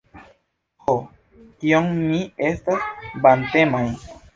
Ho, kiom ni estas vantemaj!